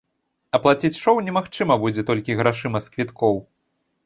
Аплаціць шоў немагчыма будзе толькі грашыма з квіткоў.